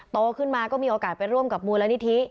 โตขึ้นมาก็มีโอกาสไปร่วมกับมูลนิธิ